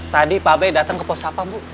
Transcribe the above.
tadi pak bey datang ke pos apa bu